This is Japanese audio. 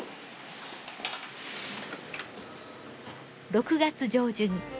６月上旬。